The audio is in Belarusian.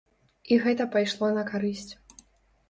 І гэта пайшло на карысць.